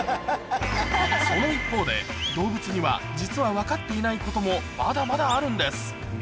その一方で、動物には実は分かっていないこともまだまだあるんです。